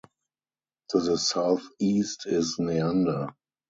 To the southeast is Neander.